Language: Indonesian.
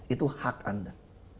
itu hak anda